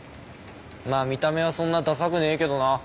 まあ見た目はそんなダサくねえけどな。